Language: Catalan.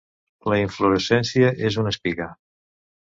La inflorescència és una espiga.